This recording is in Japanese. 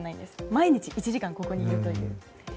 毎日１時間ここにいるという。